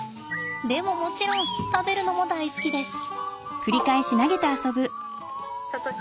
でももちろん食べるのも大好きです。